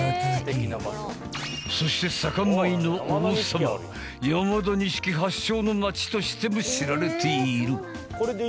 そして酒米の王様山田錦発祥のまちとしても知られている。